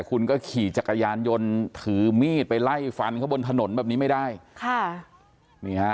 คือเหตุผลที่ให้เค้าไปรับเมื่อวานเค้าทนไม่ไหวด้วยไหม